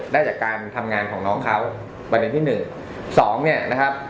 ได้จากการทำงานของน้องเขาประเด็นที่หนึ่งสองเนี่ยนะครับ